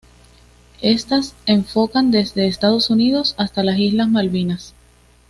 Estas enfocan desde Estados Unidos hasta las Islas Malvinas.